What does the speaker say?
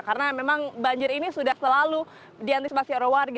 karena memang banjir ini sudah selalu diantisipasi orang warga